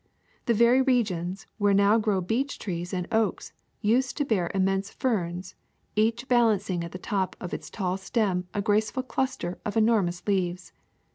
The very regions where now grow beech trees and oaks used to bear immense ferns, each balancing at the top of its tall stem a graceful cluster of enormous leaves.